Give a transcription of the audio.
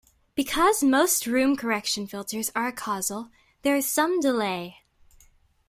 Because most room correction filters are acausal, there is some delay.